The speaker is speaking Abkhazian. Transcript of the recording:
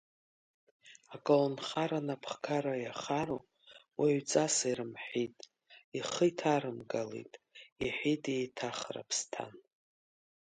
Аколнхара анапхгара иахароу, уаҩҵас иарымҳәеит, ихы иҭарымгалеит, – иҳәеит еиҭах Раԥсҭан.